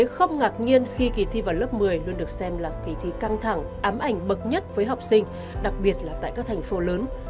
không ngạc nhiên khi kỳ thi vào lớp một mươi luôn được xem là kỳ thi căng thẳng ám ảnh bậc nhất với học sinh đặc biệt là tại các thành phố lớn